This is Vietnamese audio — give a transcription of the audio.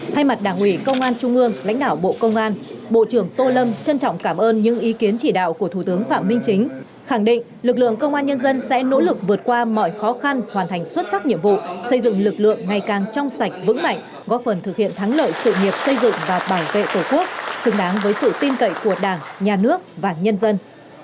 thay mặt đảng ủy công an trung ương lãnh đạo bộ công an bộ trưởng tô lâm trân trọng cảm ơn những ý kiến chỉ đạo của thủ tướng phạm minh chính khẳng định lực lượng công an nhân dân sẽ nỗ lực vượt qua mọi khó khăn hoàn thành xuất sắc nhiệm vụ xây dựng lực lượng ngày càng trong sạch vững mạnh góp phần thực hiện thắng lợi sự nghiệp xây dựng và bảo vệ tổ quốc xứng đáng với sự tin cậy của đảng nhà nước và nhân dân